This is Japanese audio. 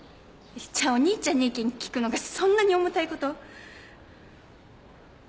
じゃお兄ちゃんに意見聞くのがそんなに重たいこと？